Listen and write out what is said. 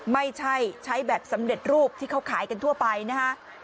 ไม่ใช่ใช้แบบสำเร็จรูปที่เขาขายกันทั่วไปนะฮะ